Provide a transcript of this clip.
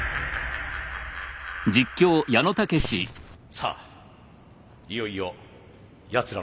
さあいよいよやつらの登場です。